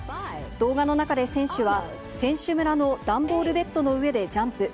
動画の中で選手は、選手村の段ボールベッドの上でジャンプ。